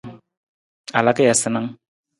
A laka ja sanang ?